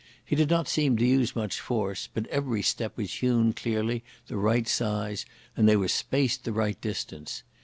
He did not seem to use much force, but every step was hewn cleanly the right size, and they were spaced the right distance.